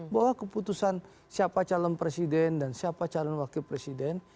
bahwa keputusan siapa calon presiden dan siapa calon wakil presiden